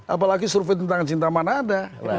apalagi survei tentang cinta mana ada